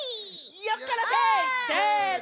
よっこらせ！せの！